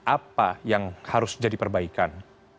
apa yang harus jadi perbaikan